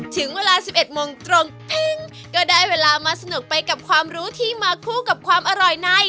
ถึงเวลา๑๑โมงตรงเพ็งก็ได้เวลามาสนุกไปกับความรู้ที่มาคู่กับความอร่อยใน